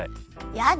やだ